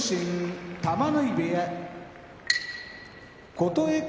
琴恵光